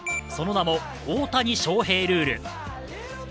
その名も、大谷翔平ルール。